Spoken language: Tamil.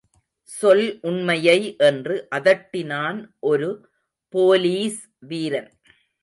சொல் உண்மையை என்று அதட்டினான் ஒரு போலீஸ் வீரன்.